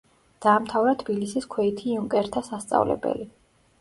დაამთავრა თბილისის ქვეითი იუნკერთა სასწავლებელი.